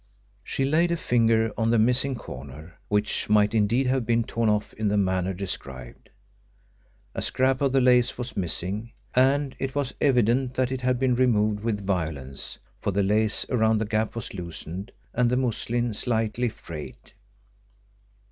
She laid a finger on the missing corner, which might indeed have been torn off in the manner described. A scrap of the lace was missing, and it was evident that it had been removed with violence, for the lace around the gap was loosened, and the muslin slightly frayed.